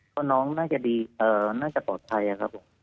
เพราะน้องน่าจะดีน่าจะปลอดภัยครับผม